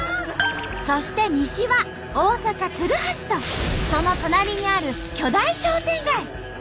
そして西は大阪・鶴橋とその隣にある巨大商店街。